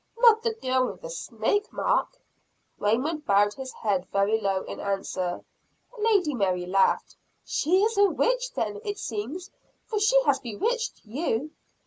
not the girl with the snake mark?" Raymond bowed his head very low in answer. Lady Mary laughed. "She is a witch then, it seems; for she has bewitched you."